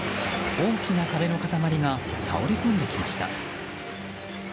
大きな壁の塊が倒れ込んできました。